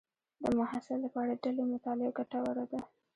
د محصل لپاره ډلې مطالعه ګټوره ده.